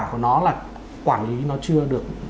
của nó là quản lý nó chưa được